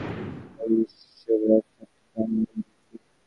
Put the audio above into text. এই ঋষিত্ব ও বেদদ্রষ্টৃত্ব লাভ করাই যথার্থ ধর্মানুভূতি।